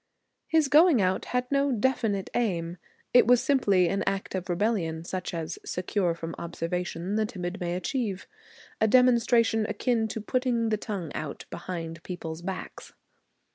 His going out had no definite aim. It was simply an act of rebellion such as, secure from observation, the timid may achieve; a demonstration akin to putting the tongue out behind people's backs.